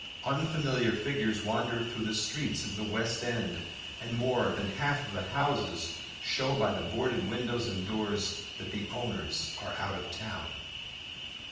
Unfamiliar figures wander through the streets of the West End, and more than half the houses show by the boarded windows and doors that the owners are out of town.